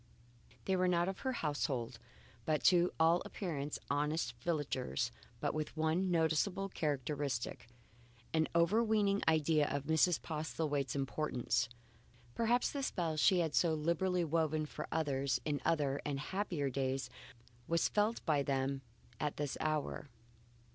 They were not of her household, but to all appearance honest villagers with but one noticeable characteristic, an overweening idea of Mrs. Postlethwaite's importance. Perhaps the spell she had so liberally woven for others in other and happier days was felt by them at this hour.